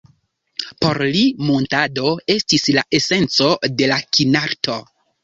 Por li muntado estis la esenco de la kinarto.